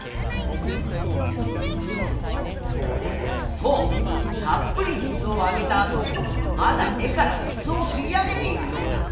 そうたっぷり水をあげたあともまだ根から水を吸い上げているヨウダ。